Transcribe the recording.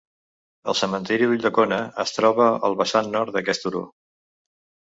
El cementiri d'Ulldecona es troba al vessant nord d'aquest turó.